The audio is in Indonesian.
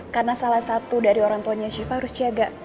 karena salah satu dari orang tuanya syifa harus jaga